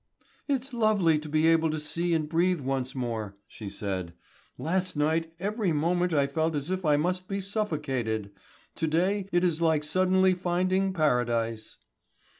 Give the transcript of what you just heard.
"It's lovely to be able to see and breathe once more," she said. "Last night every moment I felt as if I must be suffocated. To day it is like suddenly finding Paradise."